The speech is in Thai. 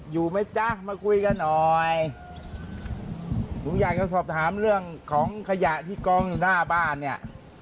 อยู่ไหมจ๊ะมาคุยกันหน่อยผมอยากจะสอบถามเรื่องของขยะที่กองอยู่หน้าบ้านเนี่ย